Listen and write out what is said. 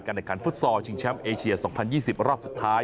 ในการฟุตซอลชิงแชมป์เอเชีย๒๐๒๐รอบสุดท้าย